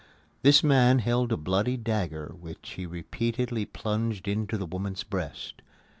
This man held a bloody dagger which he repeatedly plunged into the woman's breast.